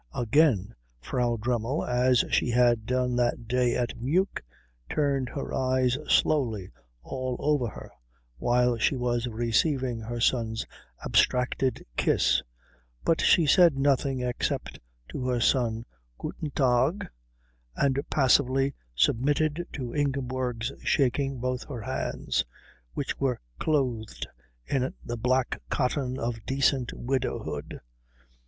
Again Frau Dremmel, as she had done that day at Meuk, turned her eyes slowly all over her while she was receiving her son's abstracted kiss; but she said nothing except, to her son, Guten Tag, and passively submitted to Ingeborg's shaking both her hands, which were clothed in the black cotton of decent widowhood.